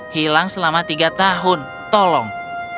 hilang selama tiga tahun tolong